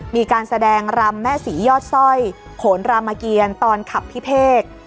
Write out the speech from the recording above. มีการแสดงรำแม่ศรียอดสร้อยโขนรามเกียรตอนขับพิเภก